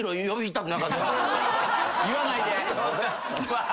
言わないで。